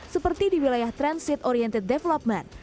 seperti di wilayah transit oriented development